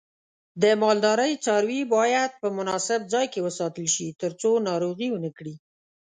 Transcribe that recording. د مالدارۍ څاروی باید په مناسب ځای کې وساتل شي ترڅو ناروغي ونه کړي.